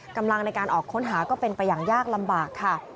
กำลังในการออกค้นหาก็เป็นไปอย่างยากลำบากค่ะ